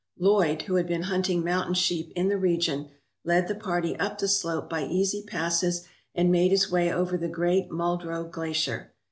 Lloyd, who had been hunting mountain sheep in the region, led the party up the slope by easy passes and made his way over the great Muldrow Glacier.